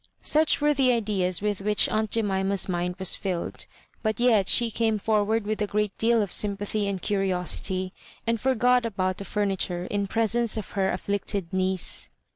Such were the ideas with which aunt Jemima's mind was filled. But yet she came forward with a great deal of sympathy and curiosity, and forgot about the famiture in presence of her afflicted niece.